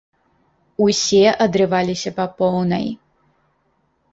Усе адрываліся па поўнай.